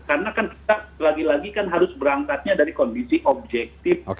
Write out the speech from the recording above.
karena kan kita lagi lagi kan harus berangkatnya dari kondisi objektif